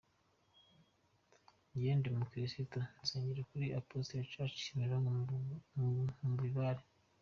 Njyewe ndi umukristo nsengera kuri Apostles church Kimironko mu Bibare.